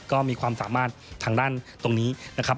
ก็มีความสามารถทางด้านตรงนี้นะครับ